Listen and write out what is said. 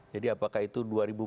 jadi apakah itu dua ribu empat belas